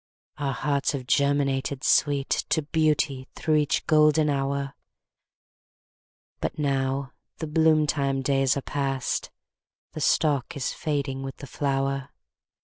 Our hearts have germinated sweetTo beauty through each golden hour; But now the bloom time days are past, The stalk is fading with the flower.